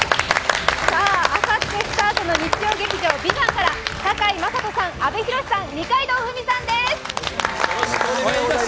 あさってスタートの日曜劇場「ＶＩＶＡＮＴ」から堺雅人さん、阿部寛さん、二階堂ふみさんです。